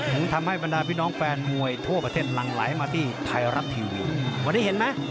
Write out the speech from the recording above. ถึงทำให้บรรดาพี่น้องแฟนมวยทั่วประเทศหลังไหลมาที่ไทยรัฐทีวีวันนี้เห็นไหม